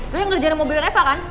lu yang ngerjain mobil reva kan